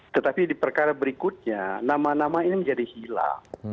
tetapi di perkara berikutnya nama nama ini menjadi hilang